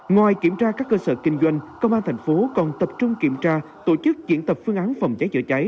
ngoài kiểm tra các cơ sở kinh doanh công an thành phố còn tập trung kiểm tra tổ chức diễn tập phương án phòng cháy chữa cháy